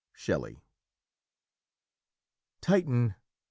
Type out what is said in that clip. Shelley. "Titan!